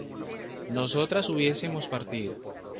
nosotras hubiésemos partido